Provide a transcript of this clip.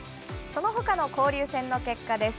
そのほかの交流戦の結果です。